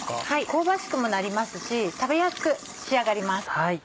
香ばしくもなりますし食べやすく仕上がります。